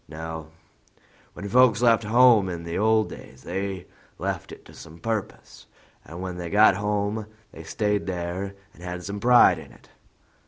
No: when folks left home in the old days they left it to some purpose, and when they got home they stayed there and had some pride in it.